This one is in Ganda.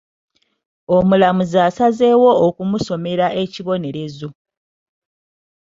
Omulamuzi asazeewo okumusomera ekibonerezo.